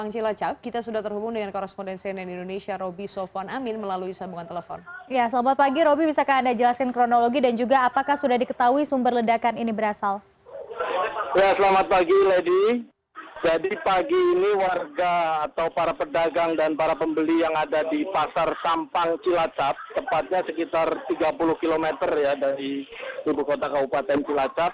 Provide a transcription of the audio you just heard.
cilacap tepatnya sekitar tiga puluh km dari kubu kota kaupaten cilacap